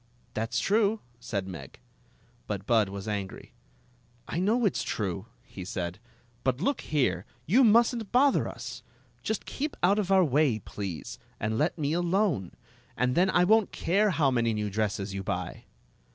"That's true," said Meg. But Bud was angry. "I know it 's true," he said; "but look here, you must n't bother us. Just keep out of our way, please, and let me alone, and then I won't care how many new dresses you buy."